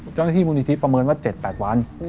เจ้าหน้าที่มูลนิธิประเมินว่า๗๘วัน